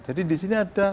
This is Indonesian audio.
jadi di sini ada